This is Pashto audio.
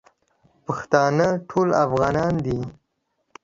پښتانه ټول افغانان دي